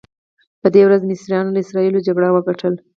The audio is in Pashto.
په دې ورځ مصریانو له اسراییلو جګړه وګټله.